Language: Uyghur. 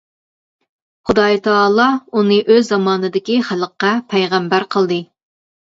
خۇدايىتائالا ئۇنى ئۆز زامانىدىكى خەلققە پەيغەمبەر قىلدى.